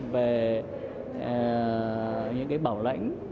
về những bảo lãnh